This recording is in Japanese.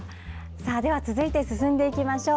では、続いて進んでいきましょう。